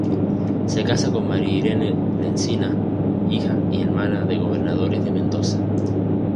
Se casa con María Irene Lencinas, hija y hermana de Gobernadores de Mendoza.